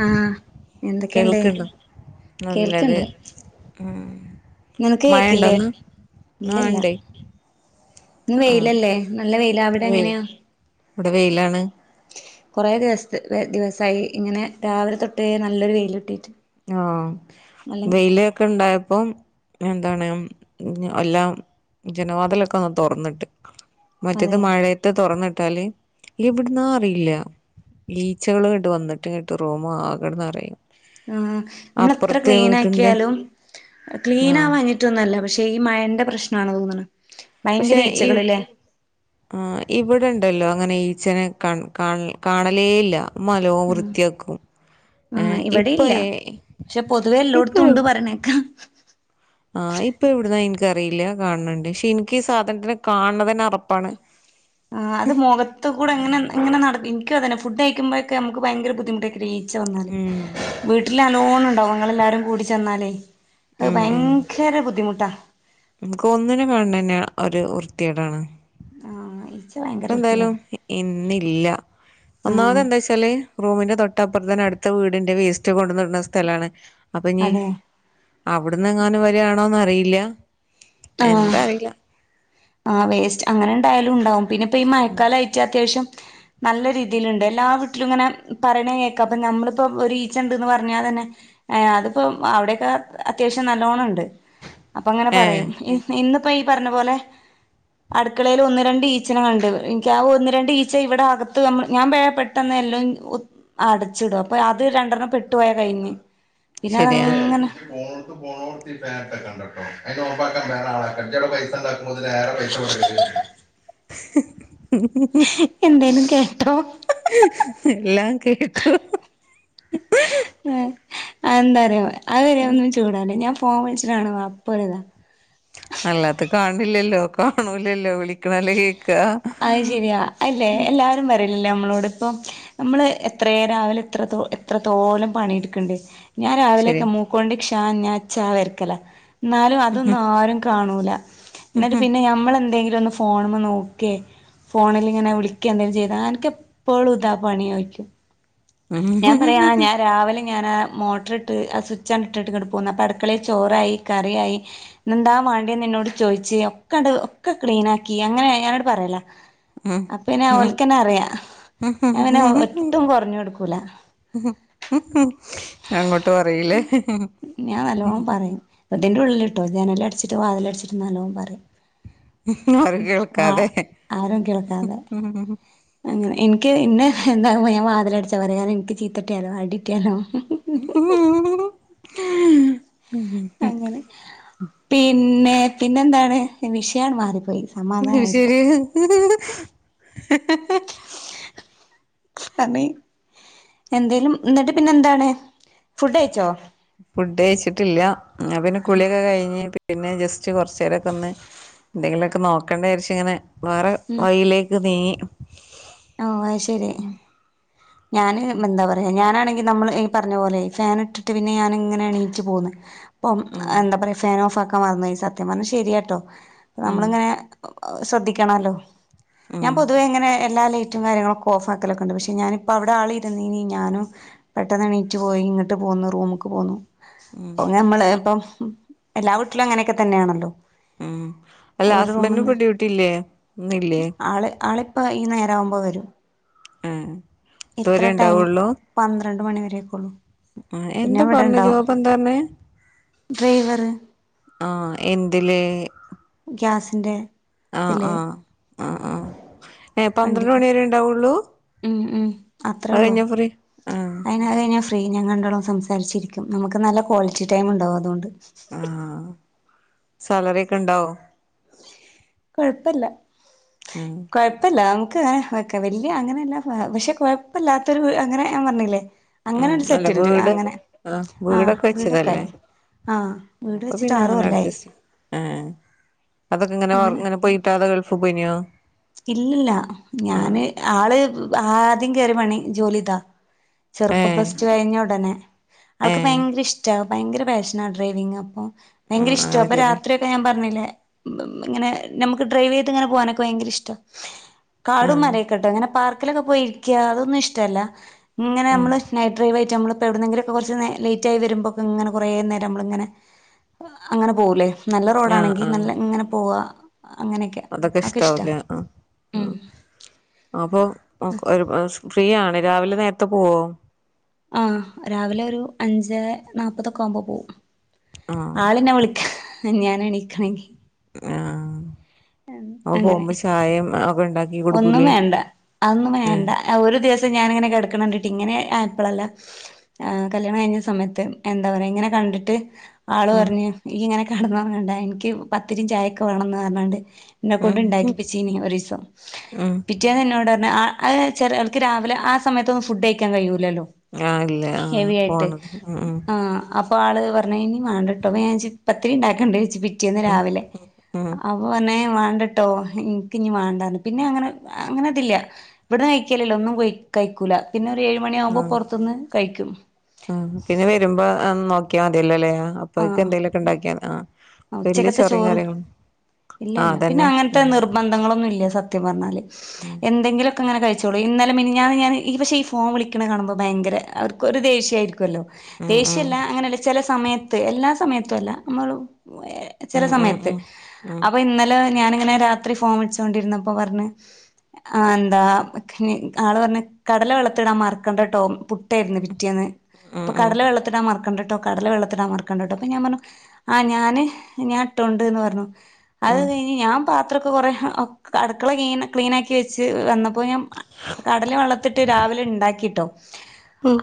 ആഹ എന്തൊക്കെയുണ്ട് കേൾക്കണ്ടോ നല്ലത് കേൾക്കണ്ട് ഉം നിനക്ക് കേക്കില്ലേ മഴണ്ടോന്ന് ആ ഇല്ലല്ല ഇണ്ടേ ഇന്ന് ആ വെയിലല്ലേ നല്ല വെയില ഇന്ന് അവിടെ വെയിൽ എങ്ങനെയാ ഇവിടെ വെയിലാണ് കുറെേ ദിവസ ദിവസായി ഇങ്ങനെ രാവിലെ തൊട്ട് നല്ലൊരു വെയില് കി ട്ടിട്ട് ആഹ വെയിലൊക്കെ ഇണ്ടായ അപ്പം എന്താണ് എല്ലാ ജനവാദലൊക്കെ ഒന്ന് തുറന്നിട്ട് മറ്റത് അതെ മഴയത്ത് തുറന്നിട്ടാല് എ വിടന്നാ അറിയില്ല ഈച്ചകൾ കേട്ട് വന്നിട്ട് റൂം മാകെ ന്നറിയും നമ്മള ത്ര വീട്ടിന്റെ ക്ലീനക്കിയാലും ക്ലീനവാ ആ ഞ്ഞിട്ടൊന്നല്ലപക്ഷെ ഈ മഴന്റെ പ്രശ്നണ ന്ന് തോന്നുന്നത് പക്ഷെ ഇ ആ ഇവിടെണ്ട് ണ്ടല്ലോ അങ്ങനെ ഈച്ചനെ കാ കാണലേ ഇല്ല ഇമ്മ ന ല്ലോണം വൃത്തിയാക്കും ആഹ ഏഹ് ഇപ്പൊ ഇവിടെയില്ല പക്ഷെ പൊതുവേ ഇപ്പൊ എല്ലോടത്തും ഉണ്ട് പറയിണകേൾ ക്കാ ആഹ് ഇപ്പൊ എവിടുന്നാ എനിക്കറിയില്ല കാണണണ്ട് പക്ഷെ എനിക്ക് സാധനത്തിനെ കാണ ന്നത് തന്നെ അ റ പ്പാണ് ആ അത് മുഖത്ത് കൂടെ എങ്ങനെ എങ്ങനെ നട അന്നെ ഫുഡ് അയക്കുമ്പോഴക്ക നമുക്ക് ഭയങ്കര ബുദ്ധിമുട്ടൊ ഈ ച്ച വന്നല് ഉം വീട്ടിൽ നല്ലോണം ഉണ്ടവും ങ്ങളെല്ലരും കൂടിച്ചെന്നാലേ അത് ഭയങ്കര ബുദ്ധിമുട്ടാ ഇ ക്ക് ഒന്നിനെ കാണുന്നത് തന്നെ ഒരു വൃത്തിക്കെ ടാണ് ആഹ ഇപ്പ എന്തായാലും ഇന്നില്ല ഒന്നാമത് ആഹ് എന്താ വെച്ചാല് റൂമിന്റെ തൊട്ട അപ്പുറത്ത് തന്നെ അടുത്ത വീടിന്റെ വേസ്റ്റ് കൊണ്ട ഇ ടുന്ന സ്ഥലമാണ് അപ്പൊ ഞ് അതെ അവിടന്ന് എങ്ങാനും വരിയാണോന്ന അറിയില്ല എന്താ അറിയില്ല ആ വേസ്റ്റ് അങ്ങനെ ഇണ്ടായാലും ഉണ്ടാവും പിന്നെ ഇപ്പ ഈ മഴക്കാലയിട്ട അത്യാവശ്യം നല്ല രീതിയിലുണ്ട് എല്ലാ വീട്ടിലും ഇങ്ങനെ പറയണേ കേക്കാം അപ്പൊ നമ്മളിപ്പോഒ രു ഈച്ച ഉണ്ട്ന്ന് പറഞ്ഞാ തന്നെ അതിപ്പോ അവിടെക്കെ അത്യാവശ്യം നല്ലോണംഉ ണ്ട് അപ്പ അങ്ങനെ ഏ പറയും ഇന്നിപ്പോ ഈ പറഞ്ഞ പോലെ [inaudible] അടുക്കളയിൽ ഒന്ന് രണ്ട് ഈ ച്ചനെ കളെ കണ്ട് എനിക്ക് ആ ഒന്ന് രണ്ട് ഈച്ച ഇവിടെ അകത്ത് നമ്മ ഞാൻവേഗം പ്പെട്ടെന്ന് എല്ലാം അടച്ചിടും അപ്പൊ അത് രണ്ടെണ്ണം പെട്ടു പോയ കഴിഞ്ഞ് പിന്നെത ശരിയാ ങ്ങനെ ണ്ടട്ടോേള പൈസ അ വേറെ പൈസ കൊടുല്ല എന്തേലും കേട്ടോ എല്ലാം കേട്ടു അതെന്താറിയൊ അവരെയൊന്നും ചൂടാവണ്ടേ ഞാൻ ഫോൺ വിളിച്ചിട്ടാണ് വാപ്പവരിത അല്ലാത്ത കാണ്നില്ലല്ലോ കാണൂലല്ലോ വിളിക്കണല്ലേ കേ അത് ശരിയാ അല്ലെ എല്ലാരും പറയലല്ലേ നമ്മളോ ടിപ്പം നമ്മള് എത്രയേ രാവിലെ എത്രത്തോ എത്രത്തോലം പണിയെടുക്കണ്ടേ ഞാൻ രാവിലെയൊക്കെ ശരിയാ മൂക്കോണ്ട് ക്ഷാ ഞാ ചാ വരക്കല എന്നാലും അതൊന്നും ആരും കാണൂല എന്നിട്ട് പിന്നെ ഞമ്മളെന്തെങ്കിലും ഒന്ന് ഫോണുമ്മേ നോ ക്കേ ഫോണിലിങ്ങനെ വിളിക്കേ എന്തെങ്കിലും ചെയ്ത അനക്കെപ്പോഴും ഇതാ പണിയാ ചോദിക്കും ഞാൻ പറയാ ആ ഞാൻ രാവിലെ ഞാൻ ആ മോട്ടർ ഇട്ട് ആ സ്വിച്ച് ആണ് ഇട്ടിട്ട് ഇങ്ങട്ട് പോന്നെ അപ്പോ അടുക്കളയിൽ ചോറായി കറിയായി ഇന്നെന്താ വേണ്ടിയന്ന് എന്നോട് ചോയിച്ച് ഒക്കണ്ട് ഒക്കെ ക്ലീൻ ആക്കി അങ്ങനെയാ ഞാനോട് പറയല്ല അപ്പെന്നെ ഓൽക്കന്നറിയാം ഞാൻ അങ്ങനെ ഒട്ടും കൊറഞ്ഞു കൊടുക്കും അങ്ങോട്ട് പറയില്ലേ ഞാൻ നല്ലോണം പറയും ഇതിന്റെ ഉള്ളിലിട്ടോ ജനല് അടച്ചിട്ട് വാതിലടച്ചിട്ട് നല്ലോണം പറയും ആരും ആ കേൾക്കാതെ ആരും കേൾക്കാതെ അങ്ങനെ എനിക്ക് ഇന്നെ എന്താകുമ്പ ഞാൻ വാതിലടച്ച് അവരെയാരെയും എനിക്ക് ചീത്തകിട്ടിയാലോ അടികിട്ടിയാലോ [inaudible] അങ്ങനെ പിന്നേ പിന്നെന്താണ് വിഷയം മാറിപ്പോയി ഉം സമാധാനായിപ്പോ ശരി [unintelligible] എന്തേലും എന്നിട്ട് പിന്നെ എന്താണ് ഫുഡ് കഴിച്ചോ ഫുഡ് കഴിച്ചിട്ടില്ല എന്ന പിന്നെ കുളിയൊക്കെ കഴിഞ്ഞ് പിന്നെ ജസ്റ്റ് കുറച്ച് നേരൊക്കെ ഒന്ന് എന്തെങ്കിലൊക്കെ നോക്കണ്ടേ വിരിച്ചിങ്ങനെ വേറെ ഉം വഴയിലേക്ക് നീങ്ങി ഓ അയ് ശരി ഞാന് മ്മ് എന്താ പറയാ ഞാനാണെ നമ്മള് ഈ പറഞ്ഞ പോലെ ഫാൻ ഇട്ടിട്ട് പിന്നെ ഞാൻ ഇങ്ങനെയെണീച്ച് പോന്ന് ഇപ്പം ഉം എന്താ പറയ ഫാൻ ഓഫ് ആക്കാൻ മറന്നുപോയി സത്യം പറഞ്ഞാ ശരിയാട്ടോ ഉം നമ്മളിങ്ങനെ ശ്രദ്ധിക്കണോല്ലോ ഞാൻ ഉം പൊതുവെ ഇങ്ങനെ എല്ലാ ലൈ റ്റും കാര്യങ്ങളൊക്കെ ഓഫാക്കലൊക്കെണ്ട് പക്ഷെ ഞാനിപ്പോ അവിടെ ആള് ഇരുന്നീനി ഞാനും പെട്ടെന്ന് എണീറ്റ് പോയി ഇങ്ങട്ട് പോ ന്നു റൂമക്ക്‌ പോന്നു ഉം അപ്പ ഞമ്മള് ഇപ്പം എല്ലാ വീട്ടിലും അങ്ങനെയൊക്കെ തന്നെയാണല്ലോ ഉം അല്ല ഒരു ഹസ്ബന്റിന് റൂമിന്ന് ഇപ്പം ഡ്യൂട്ടിയില്ലേ ഇന്നില്ലേ പ്പ ഈ നേരാവുമ്പോ വരും ആഹ് ഇത്ര ഇതുവരെ ടൈം ഉണ്ടാവുള്ളൂ പന്ത്ര രണ്ട് മണിവരേക്കോള്ളു ആ എന്താ പറഞ്ഞ ജോബ് എന്താ പറഞ്ഞേ ഡ്രൈവറ് ആ എന്തില് ഗ്യാസിൻ്റെ ആ ആഹ് ആഹ് ആഹ് ഏ പന്ത്രണ്ട് വണ്ടിയില് മണി വരെ ഉണ്ടാവുള്ളൂ ഉം- ഉം അത്രേ അത് ഉള്ളൂ കഴിഞ്ഞാ ഫ്രീ ആഹ് അതിന അത് കഴിഞ്ഞ ഫ്രീ ഞാൻ കണ്ടോളം സംസാരിച്ചിരിക്കും നമുക്ക് നല്ല ക്വാളിറ്റി ടൈം ഉണ്ടാവും അതുകൊണ്ട് ആഹ് സാലറി ഒക്കെ ഇണ്ടാവോ കുഴപ്പല്ല ഉം കുഴപ്പല്ല ന ക്ക്‌ വെക്ക് വലിയ അങ്ങനെയല്ല പക്ഷെ കുഴപ്പ ഇല്ലാത്തൊരു അങ്ങനെ ഞാൻ പറഞ്ഞില്ലേ അങ്ങനെ ഉം ഒരു അല്ല സെറ്റിൽഡ് വീട് അങ്ങനെ ആ ആഹ് വീടൊക്കെ വെച്ചതല്ലേ വീടൊക്കായി ആഹ് വീട് അപ്പൊ വെച്ചിട്ട് ആറ് പിന്നങ്ങനെ കൊല്ലായി അഡ്ജസ്റ്റ് ആഹ് അതൊക്കെ ഇങ്ങനെ അങ്ങനെ ഇങ്ങനെ പോയിട്ടാതെ ഗൾഫ് പോയിനിയോ ഇല്ലില്ല ഞാന് ആള് ആദ്യം കേയറി പണി ജോലി ഇതാ ചെറുപ്പം ഏഹ് പ്ലസ്റ്റ്ടു കഴിഞ്ഞ ഉടനെ ആൾക്ക് ഏഹ് ഭയങ്കര ഇഷ്ടാ ഭയങ്കര പാഷനാ ഡ്രൈവിങ് അപ്പൊ ഉം ഭയങ്കര ഇഷ്ട അങ്ങനെ അപ്പൊ ചെറിയ രാത്രിയൊക്കെ ഞാൻ പറഞ്ഞില്ലേ ഇങ്ങനെ നമുക്ക് ഡ്രൈവ് ചെയ്ത് ഇങ്ങനെ പോകാനൊക്കെ ഭയങ്കര ഇഷ്ട കാടും ആഹ് മരൊക്കെട്ട് അങ്ങനെ പാർക്കിലൊക്കെ പോയിരിക്കുക അതൊന്നും ഇഷ്ടമല്ല. ഇങ്ങനെ ഉം നമ്മള് നൈറ്റ് ഡ്രൈവ്. നമ്മൾ ഇപ്പോൾ എവിടെുന്നെങ്കിലൊക്കെ കുറച്ച് നേ ലേറ്റ് ആയി വരു മ്പൊഴെക്കെങ്ങനെ കുറെനേരം നമ്മളങ്ങനെ അങ്ങനെ പോകൂല്ലേ? നല്ല ആഹ് റോഡാണെങ്കിൽ. നല്ല ആഹ് ഇങ്ങനെ പോകാ - അതൊക്കെ ഇഷ്ടാവലേ ആ ഉം അപ്പൊ ഫ്രീയാണ് രാവിലെ നേരത്തെ പോവോ. ആ രാവിലെ ഒരു അഞ്ച് നാപ്പതൊക്കെ ആവുമ്പോ പോകും. ആ ആളന്നെ വിളിക്ക ഞാന എണിക്കണെങ്കി ആഹ അ അങ്ങനെ പൊകുമ്പ ചായയും ഒക്കെ ഉണ്ടാക്കി ഒന്നും കൊടുക്കൂലേ വേണ്ട അതൊന്നും ഏ വേണ്ട. ഒരു ദിവസം ഞാാനിങ്ങനെ കിടക്കണണ്ട ഇങ്ങനെ ആയപ്പള്ളല്ല ആ കല്യാണം കഴിഞ്ഞ സമയത്ത്. എന്താ പറയാ ഇങ്ങനെ കണ്ടിട്ട് ആള് ഉം പറഞ്ഞ് ഈ ഇങ്ങനെ കിടന്നുറങ്ങണ്ട എനിക്ക് പത്തിരിയും ചായയൊക്കെ വേണംന്ന് പറഞ്ഞാണ്ട് എന്നെ ഉം കൊണ്ടുണ്ടാക്കിപ്പിച്ചെനേ ഒരീസം. ഉം പിറ്റേന്ന്നോട് ആ ചിലൾക്ക് രാവിലെ ആ സമയത്തൊന്ന് ഫുഡ്കഴിക്കാൻ കഴിയൂല്ല. ലെനു ആ ഇല്ല ആ ഹെവിയായിട്ട് പോണത് ഉം ഉം മ് ആഹ ഇപ്പാള് പറഞ്ഞ് ഇനി മേണ്ടട്ടോ മജിക്ക് പത്തിരി ഉണ്ടാക്കണണ്ട്. പിറ്റിയന്ന് രാവിലെ ഉം അവ പറന്നെ വേണ്ടട്ടോ ഇനിക്ക് ഇനി വേണ്ടന്ന്. പിന്നെ അങ്ങനെ അങ്ങനെ ഇതില്ല. ഇവിടന്ന് കഴിക്കലല്ലോ? ഒന്നും കഴിക്കൂല പിന്നെ ഏഴ്മണി ആ ആകുമ്പോ പുറത്തുന്ന് കഴിക്കും. നോക്കിയാൽ മതിയല്ലോല്ലേ അപ്പൊഴേക്ക് എന്തെങ്കലുമൊക്കെ ഉണ്ടാക്കിയാ ആ ആ വലിയ ഉച്ചക്കത്തെ ചൊറിയും ചോറും കാര്യങ്ങളും ഇല്ല ആ ഇല്ല അതന്നെ പിന്നെഅങ്ങനത്തെ ആ നിർബന്ധങ്ങളൊന്നുംല്ല. സത്യം പറഞ്ഞാല് എന്തെങ്കിലും അങ്ങനെ അയച്ചോളിൻ. ഇന്നലെ മിനിഞ്ഞാന്ന് ഞാൻ ഈ ഫോൺ വിളിക്കുന്നതു കാണുമ്പൾ ഭയങ്കര അവർക്കൊരു ദേഷ്യംആയിരിക്കുമല്ലോ. ഉം ഉം ഉം ദേഷ്യല്ല അങ്ങനെയുള്ള ചില സമയത്ത്. എല്ലാ സമയത്തും അല്ല. നമ്മള് ചില ഉം ഉം സമയത്ത്. ഉം ഉം അപ്പൊ ഇന്നലെ ഞൻ ഇങ്ങനെ രാത്രി ഫോൺ വിളിച്ചൊണ്ടിരുന്നപ്പോ പറഞ്ഞു ആ എന്താ ആ ആള് പറഞ്ഞ് കടല വെള്ളത്തിടാൻ മറക്കണ്ടട്ടോ പുട്ടായിരുന്നു പിറ്റേന്ന്. ഉം ഇപ്പൊ ഉം കടല വെള്ളത്തിടൻ മറക്കണ്ടട്ടോ കടല വെള്ളത്തിടൻ മറക്കണ്ടട്ടോ അപ്പൊ ഞാൻ പറഞ്ഞു ആ ഞാൻ എ ഉം അത്രക്കെകുറെ അക്ക് അടുക്കള കീന ക്ലീനാക്കക്കി വെച്ച് വന്ന അപ്പൊ ഞാൻ കടല് വെള്ളത്തിട്ട് രാവിലെ ഉണ്ടാക്കിട്ടോ.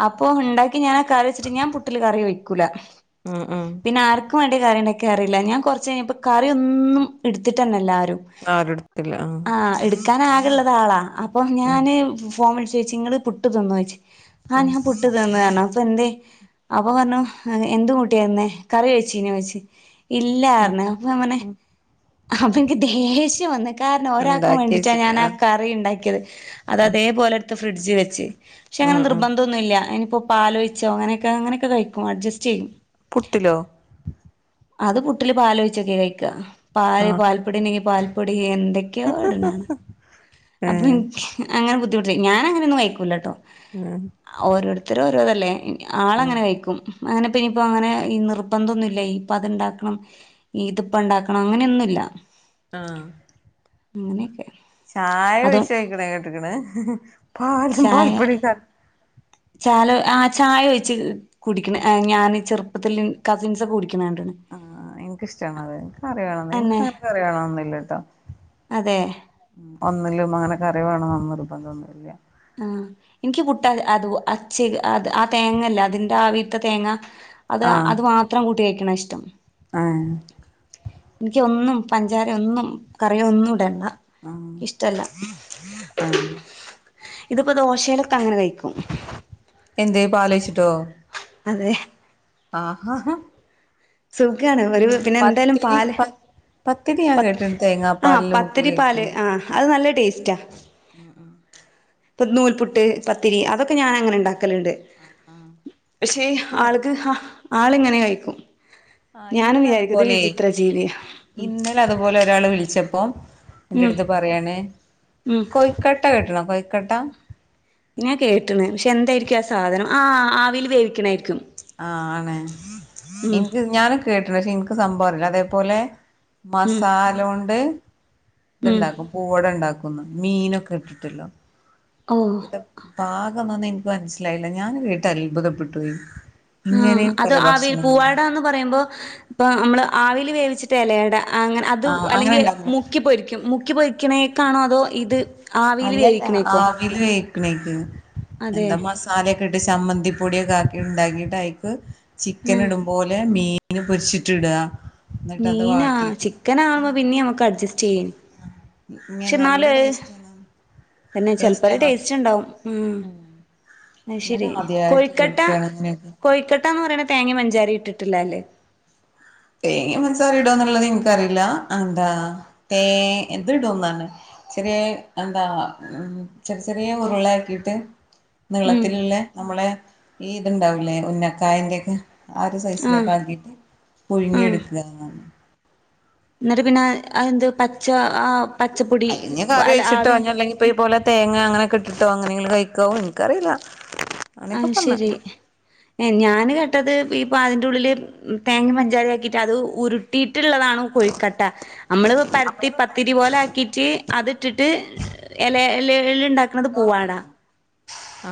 അപ്പൊ ഉണ്ടാക്കി ഞാൻ കാറി വച്ചിട്ട്. ഞാൻ പുട്ടിലക്ക് കറി വെക്കും. കുല ഉം ഉം പിന്നെ ആർക്കും വേണ്ടി കറിണ്ടാകില്യ. കയറിയില്ല ഞാൻ കുറച്ച് കഴിഞ്ഞപ്പം കറി ഒന്നും എടുത്തിട്ടുവന്നില്ല ആരും. ആരെടുത്തില്ല ആഹ് ആ എടുത്ത് ഞാൻ ആകെയുള്ള ഒരാളാണ് അപ്പം ഉം ഞാന് ഫോൺ വിളിച്ച് ചോദിച്ചു ഇങ്ങള് പുട്ട് തിന്ന് ചോദിച്ചു. ആഹ് ഉം ഞാൻ പുട്ട് തിന്നണോ. എന്തേ അപ്പ പറഞ്ഞു എന്ത് കൂട്ടിയായിരുന്നേ കറി ഒഴിച്ചിലേ വെച്ച് ഉം ഇല്ലാരന്ന്. അപ്പൊ അവനെ അപ്പ എനിക്ക് ദേഷ്യം വന്ന കാരണം ഒരാൾക്കും ഉണ്ടാക്കി വേണ്ടിട്ടാ വെച്ചിട്ട് ഞാനാ ആ ആഹ് കറി ഉണ്ടാക്കിയത്. അത് ഉം അതേപോലെ എടുത്ത് ഫ്രിഡ്ജ് വെച്ച്. പക്ഷെ ഉം അങ്ങനെ ഉം നിർബ്ബന്ധംന്നുല്ല പാലോഴിച്ചോ അങ്ങനെയൊക്കെ അങ്ങനെയൊക്കെ കഴിക്കും. അഡ്ജസ്റ്റ് ചെയ്യും. പുട്ടിലോ? അത് പുട്ടില് പാലൊഴിച്ചക്കെ കഴിക്കാ. പാല്, ആഹ് പാൽപ്പൊടി, പൽപൊടിയിണ്ടെങ്കിൽ എന്തൊക്ക ഇടാണ് കാണ. അപ്പ ഏഹ് എനിക്ക് അങ്ങനെ ബുദ്ധിമുട്ട. ഞാൻ അങ്ങനെയൊന്നും കയിക്കൂല കേട്ടോ. ഉം ഓരോരുത്തരും ഓരോതല്ലേ ഉം ആളങ്ങനെ കഴിക്കും. അങ്ങനെ പിന്നനിയിപ്പോൾ അങ്ങനെ ഈ നിർബന്ധൊന്നുമില്ല ഈ ഇപ്പ അത്ണ്ടാക്കണം ഇതിപ്പ ഇണ്ടാക്കണം അങ്ങനെയൊന്നുമില്ല. ആഹ അങ്ങനെയക്കെ ചായ ഒഴിച്ച് കഴിക്കണ കേട്ടക്കണ പാലും പൽ പൊടിക്ക ചാല് ആ ചായ ഒഴിച്ച് കുടിക്കണ് ഞാൻ ചെറുപ്പത്തിൽ കസിൻസ് ഒക്കെ കുടിക്കും ആ എനിക്കിഷ്ടാണത് എനക്ക് കറിവേണ എനിക്ക് അന്നെ അങ്ങനെ കറിയണന്നുമല്ലട്ടോ അതെ ഒന്നില്ലും അങ്ങനെ കറി വേണൊന്നും നിർബന്തമൊന്നുമില്ല ആ എനിക്ക് പുട്ട് അത് അഛേൽക്ക് അ ആ തേങ്ങല്ലേ അതിന്റെ ആവിത്തെ തേങ്ങ അത് ആഹ് അത് മാത്രം കൂട്ടി കഴിക്കണ ഇഷ്ടം ആഹ് എനിക്ക് ഒന്നും പഞ്ചാര ഒന്നും കറിയൊ ഒന്നും ഇടണ്ട ആഹ് ഇഷ്ടല്ല ആഹ് ഇതിപ്പോ ദോശയിലൊക്കെ അങ്ങനെ കഴിക്കും എന്തേ പാലിയിച്ചിട്ടോ അതെ ആഹഹ സുഖാണ് ഒരു പിന്നെ എന്തായാലും പാല് പ പത്തിരി ഞാൻ പ കേട്ടിണ്ട് ആ തേങ്ങാപ്പാലില് മുക്കി പത്തരി പാല് കഴിക്കുന്നു ആ അത് നല്ല ടേസ്റ്റാ [inaudible] ഇപ്പം നൂൽപുട്ട് പത്തിരി അതൊക്കെ ഞാൻ അങ്ങനെണ്ടാക്കും ട് പക്ഷേ ആൾക്ക് ആള് എങ്ങനെ കഴിക്കും ആഹ് ഞാൻ ഇന്നലെ വിചാരിക്കും ഇത് അതുപോലെ വിജിത്ര ജീവിയാ ഇന്നലെ അതുപോലെ ഒരാള് വിളിച്ചപ്പോ എന്റെ ഉം അടുത്ത് പറയാണ് ഉം കൊയ്ക്കട്ട ഇട്ട്ണോ കോയിക്കോട്ട ഞാൻ കേട്ട്ണ് പക്ഷെ എന്തായിരിക്കും ആ സാധനം ആ ആവിൽ വേവിക്ക്ണതായിരിക്കും ആ ആണ് എനിക്ക് ഞാന് കേട്ട്ണ് പക്ഷെ എനിക്ക് സംഭവറീല അതേപോലെ ഉം മസാലോണ്ട് ഉം ഇത്ണ്ടാക്കും പൂവട ഇണ്ടാക്കും മീനൊക്കെ ഇട്ടിട്ടല്ലോ ഓ ഇത് പാകാമന്ന് എനിക്ക് മനസ്സിലായില്ല ഞാൻ കേട്ട് അൽഭുതപ്പെട്ടുപോയി ആ അത് ആവിൽ പൂവാട എന്ന് പറയുമ്പോ ഇപ്പൊ നമ്മള് ആവിൽ വേവിച്ചിട്ട് ഇലയട അങ്ങനെ അത് ആഹ് അങ്ങനെ അല്ലെങ്കിൽ ഉണ്ടാക്കുന്നെ മുക്കി പൊരിക്കും മുക്കി പൊരിക്കിണേ കാണോ അതോ ഇത് ആവിൽ വേവിക്ക്ണേക്കോ ക്ക്ണേക്കും എന്താ മസാലൊക്കെ ഇട്ട് ചമ്മന്തി പൊടിയൊക്കെ ആക്കി ഉണ്ടാക്കിട്ട് ചിക്കൻ ഉം ഇടുംപോലെ മീനും പൊരിച്ചിട്ട് ഇടുക എന്നിട്ട് അത് മീനോ വാട്ടിയിട്ട് ചിക്കൻ ആവുമ്പോ പിന്നെ നമ്മുക്ക് അഡ്ജസ്റ്റ് ചെയ്യേര്ന്നു ഇ നല്ല ടേസ്റ്റ് ആണ് തന്നെ ചെലപ്പോ ഒരു ടേസ്റ്റ് ഉണ്ടാവും ഉം അ ഞാൻ ശരി ആദ്യമായിട്ട് കോഴിക്കട്ട കേൾക്കാണ് ഇങ്ങനെയൊക്കെ കോഴിക്കട്ടന്ന് പറിണത് തേങ്ങിം പഞ്ചാരിം ഇട്ടിട്ടില്ലേ ല്ലേ തറി ഇടുഎന്നുള്ളത് എനിക്കറീല എന്താ തേ ഇത് ഇടുംന്നാണ് ചെറേ എന്താ ചെറിയ ചെറിയ ഉരുളയാക്കിട്ട് ഉം നീളത്തിലുള്ള നമ്മളെ ഈ ഇതുണ്ടാവൂലേ ഉന്നക്കായന്റെ ഒക്കെ ആ ഒരു സൈസിലോട്ട് ആഹ് ആക്കിയിട്ട് ആഹ് പുഴുങ്ങിയെടുക്കുകാണ് എന്നിട്ട് പിന്നെ അ എന്ത് പച്ച ആ പച്ചപ്പൊടി അല്ലങ്കിൽ കറി അല്ല വെച്ചിട്ടോ ആവി ഞല്ലെങ്കിൽ പൈ പോലെ തേങ്ങ അങ്ങനൊക്കെ ഇട്ടിട്ടോ എങ്ങനെയെങ്കിലും കഴിക്കാവോ എനിക്കറിയില്ല അങ്ങനെയൊക്കെ ആത് പറഞ്ഞ് ശരി ഏ ഞാന് കേട്ടത് ഇപ്പൊ അതിൻ്റേ ഉള്ളില് തേങ്ങിം പഞ്ചാരിം ആക്കിയിട്ട് അത് ഉരുട്ടി ഉരുട്ടിള്ളതാണ് കോഴിക്കട്ട നമ്മളി പരത്തി പത്തിരി പോലെ ആക്കിട്ട് അതിട്ടിട്ട് ഇല എലേല് ഉണ്ടാക്ക്ണത് പൂവാടാ ആ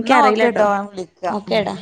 എന്നാ ഓ കേട്ടോ ഞാൻ വിളിക്ക ഓക്കേടാ